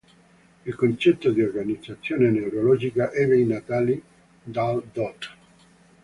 Il concetto di organizzazione neurologica ebbe i natali dal Dott.